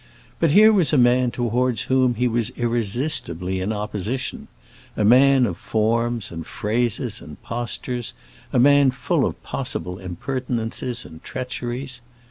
But here was a man towards whom he was irresistibly in opposition; a man of forms and phrases and postures; a man full of possible impertinences and treacheries.